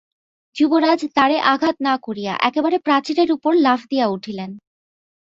যুবরাজ দ্বারে আঘাত না করিয়া একেবারে প্রাচীরের উপর লাফ দিয়া উঠিলেন।